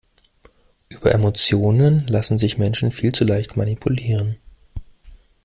Über Emotionen lassen sich Menschen viel zu leicht manipulieren.